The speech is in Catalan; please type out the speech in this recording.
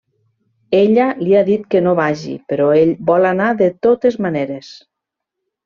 Ella li ha dit que no vagi, però ell vol anar de totes maneres.